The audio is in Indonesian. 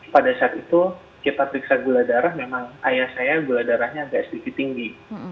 pada saat itu kita periksa gula darah memang ayah saya gula darahnya agak sedikit tinggi